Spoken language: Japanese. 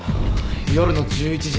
夜の１１時。